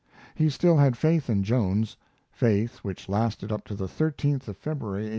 He still had faith in Jones, faith which lasted up to the 13th of February, 1891.